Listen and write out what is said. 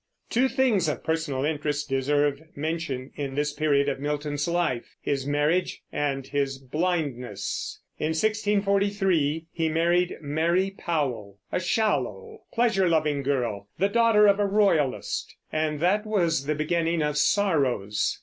Two things of personal interest deserve mention in this period of Milton's life, his marriage and his blindness. In 1643 he married Mary Powell, a shallow, pleasure loving girl, the daughter of a Royalist; and that was the beginning of sorrows.